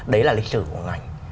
đấy là lịch sử của ngành